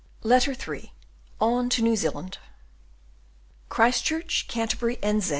Letter III: On to New Zealand. Christchurch, Canterbury, N. Z.